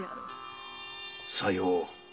さよう。